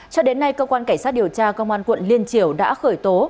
cho đến nay cơ quan cảnh sát điều tra công an quận liên triều đã khởi tố